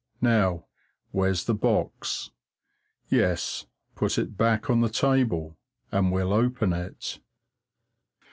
Now, where's the box? Yes, put it back on the table, and we'll open it.